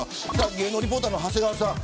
芸能リポーターの長谷川さん。